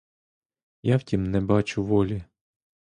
Я в тім не бачу волі.